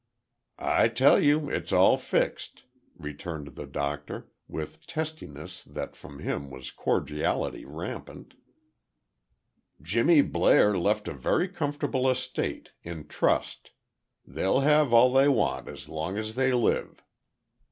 "I tell you it's all fixed," returned the doctor, with testiness that from him was cordiality rampant. "Jimmy Blair left a very comfortable estate, in trust. They'll have all they want as long as they live."